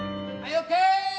ＯＫ！